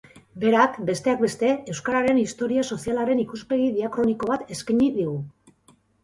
Berak, besteak beste, euskararen historia sozialaren ikuspegi diakroniko bat eskaini digu.